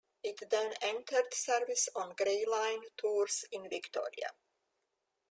It then entered service on Gray Line tours in Victoria.